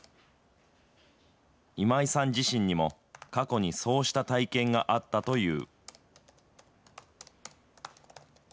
今井さん自身にも、過去にそうした体験があったという。